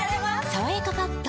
「さわやかパッド」